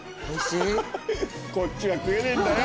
こっちは食えねえんだよ。